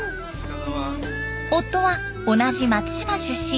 夫は同じ松島出身